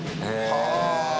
はあ！